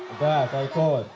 udah saya ikut